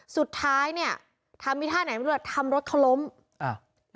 สุดท้ายเนี่ยทำไว้ท่าไหนไม่รู้ทำรถเขาล้มอ่า